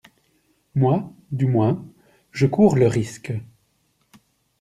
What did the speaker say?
Moi, du moins, je cours le risque.